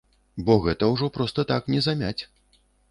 Бо гэта ўжо проста так не замяць.